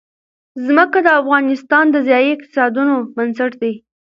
ځمکه د افغانستان د ځایي اقتصادونو بنسټ دی.